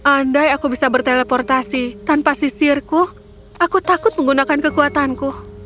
andai aku bisa berteleportasi tanpa sisirku aku takut menggunakan kekuatanku